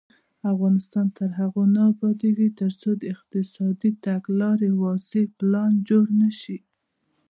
افغانستان تر هغو نه ابادیږي، ترڅو د اقتصادي تګلارې واضح پلان جوړ نشي.